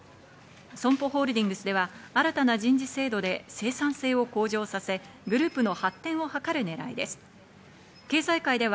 ＳＯＭＰＯホールディングスでは新たな人事制度で生産性を向上させ、グループの発展を図るねらいです。